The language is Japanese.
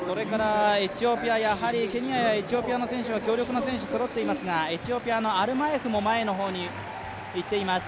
ケニアやエチオピアの選手、強力な選手そろっていますがエチオピアのアルマエフも前の方にいっています。